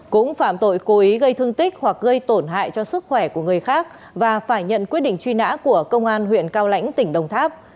cũng phạm tội cố ý gây thương tích hoặc gây tổn hại cho sức khỏe của người khác và phải nhận quyết định truy nã của công an huyện cao lãnh tỉnh đồng tháp